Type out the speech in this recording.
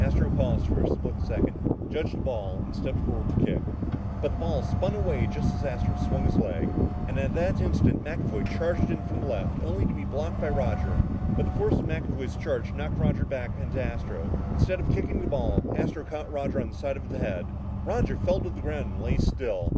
Astro paused a split second, judged the ball and stepped forward to kick. But the ball spun away, just as Astro swung his leg. And at that instant, McAvoy came charging in from the left, only to be blocked by Roger. But the force of McAvoy's charge knocked Roger back into Astro. Instead of kicking the ball, Astro caught Roger on the side of the head. Roger fell to the ground and lay still.